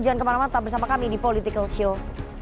jangan kemana mana tetap bersama kami di political show